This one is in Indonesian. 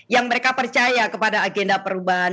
yang mereka percaya kepada agenda perubahan